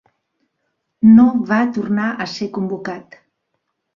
No va tornar a ser convocat.